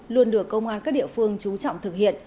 luôn được công an các địa phương trú trọng thực hiện